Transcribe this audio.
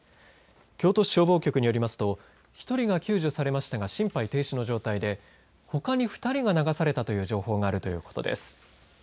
京都市消防局によりますと１人が救助されましたが心肺停止の状態でほかに２人が流されたという情報があるということです。